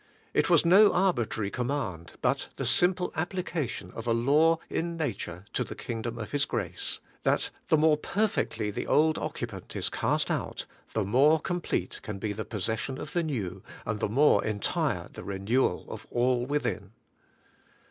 It was no arbitrary command, but the simple application of a law in nature to the kingdom of His grace, — that the more perfectly the old occupant is cast out, the more com plete can be the possession of the new, and the more entire the renewal of all within.